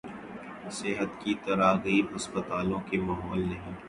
صحت کی تراغیب ہسپتالوں کے ماحول نہیں